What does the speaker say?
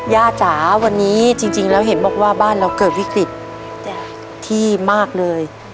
จ๋าวันนี้จริงแล้วเห็นบอกว่าบ้านเราเกิดวิกฤตที่มากเลย